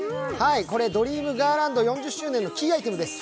ドリームゴーラウンド４０周年のキーアイテムです。